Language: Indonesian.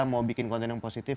mau bikin konten yang positif